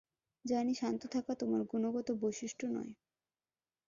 জানি শান্ত থাকা তোমার গুণগত বৈশিষ্ট্য নয়।